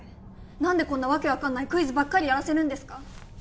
何でこんな訳分かんないクイズばっかりやらせるんですか？